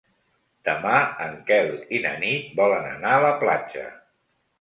Demà en Quel i na Nit volen anar a la platja.